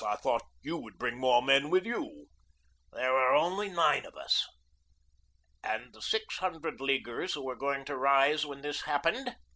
I thought YOU would bring more men with you." "There are only nine of us." "And the six hundred Leaguers who were going to rise when this happened!"